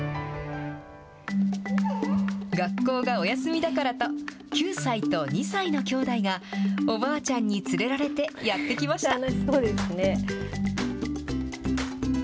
学校がお休みだからと、９歳と２歳のきょうだいが、おばあちゃんに連れられてやってきました。